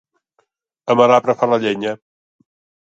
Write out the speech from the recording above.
En mal arbre fa la llenya.